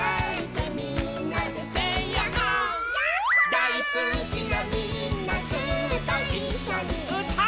「だいすきなみんなずっといっしょにうたおう」